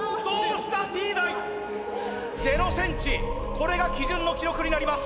これが基準の記録になります。